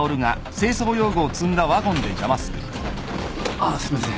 あっすいません。